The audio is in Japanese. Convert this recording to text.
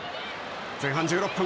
前半１６分。